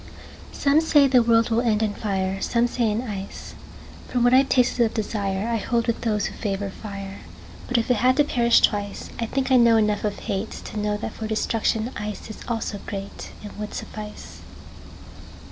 SOME say the world will end in fire, Some say in ice. From what I've tasted of desireI hold with those who favor fire. But if it had to perish twice,I think I know enough of hateTo know that for destruction iceIs also greatAnd would suffice.